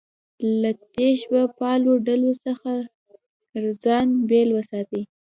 له تشبیه پالو ډلو څخه ځان بېل وساتي.